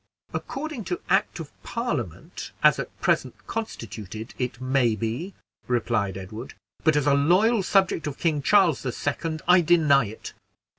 "According to act of Parliament, as now present constituted, it may be," replied Edward, "but as a loyal subject of King Charles the Second, I deny it."